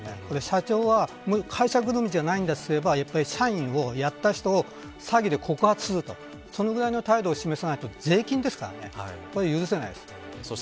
社長は会社ぐるみじゃないんですと言えば社員をやった人を詐欺で告発するとそのぐらいの態度を示さないと税金ですからねやっぱり許せないです。